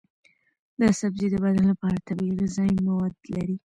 دا سبزی د بدن لپاره طبیعي غذایي مواد لري.